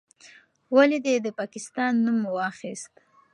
ولې دې د پاکستان نوم واخیست؟